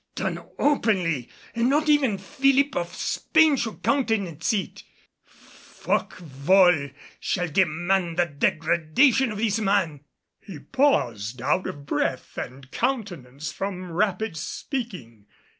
Done openly, and not even Philip of Spain could countenance it. Forquevaulx shall demand the degradation of this man." He paused, out of breath and countenance from rapid speaking.